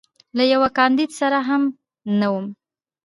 له یوه کاندید سره هم نه وم.